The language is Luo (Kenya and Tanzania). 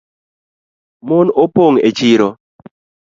Mon opong’ e chiro